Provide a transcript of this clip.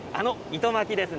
糸巻きですね。